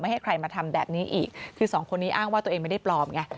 ให้ใครมาทำแบบนี้อีกคือสองคนนี้อ้างว่าตัวเองไม่ได้ปลอมไง